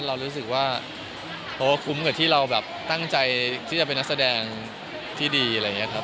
เรารู้สึกว่าเพราะว่าคุ้มกับที่เราแบบตั้งใจที่จะเป็นนักแสดงที่ดีอะไรอย่างนี้ครับ